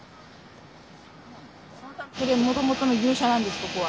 もともとの牛舎なんですここは。